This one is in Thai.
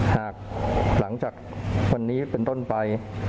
หลังจากวันนี้เป็นต้นไป